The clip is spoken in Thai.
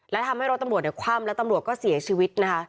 และทำให้รถตำรวจคว่ำแล้วตำรวจก็เสียชีวิตนะคะ